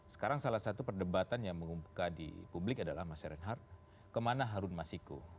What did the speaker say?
sekarang salah satu perdebatan yang mengumpulkan di publik adalah mas reinhardt kemana harun masiku